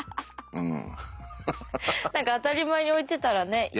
うん。